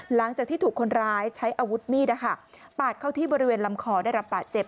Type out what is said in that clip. หลังจากที่ถูกคนร้ายใช้อาวุธมีดปาดเข้าที่บริเวณลำคอได้รับบาดเจ็บ